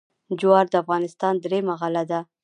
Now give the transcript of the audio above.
جوار د افغانستان درېیمه غله ده.